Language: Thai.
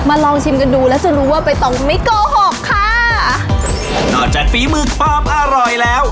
ลองชิมกันดูแล้วจะรู้ว่าใบตองไม่โกหกค่ะนอกจากฝีมือความอร่อยแล้ว